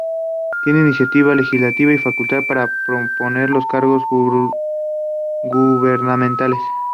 Tiene iniciativa legislativa y facultad para proponer los cargos gubernamentales.